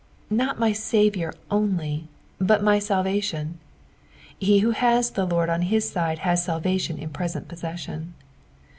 Not my Saviour only, but my aalvation. He who has the Lord on his side has salvation in present possession.